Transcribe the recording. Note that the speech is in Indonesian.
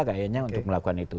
kayaknya untuk melakukan itu